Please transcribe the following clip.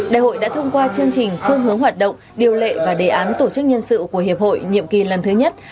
đại hội đã thông qua chương trình phương hướng hoạt động điều lệ và đề án tổ chức nhân sự của hiệp hội nhiệm kỳ lần thứ nhất